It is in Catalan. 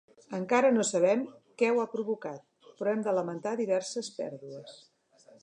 Encara no sabem què ho ha provocat, però hem de lamentar diverses pèrdues.